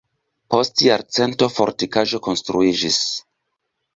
Post jarcento fortikaĵo konstruiĝis.